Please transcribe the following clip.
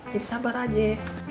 jadi sabar aja